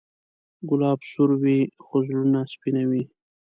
ګلاب سور وي، خو زړونه سپینوي.